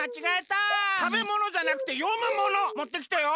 たべものじゃなくてよむものもってきてよ。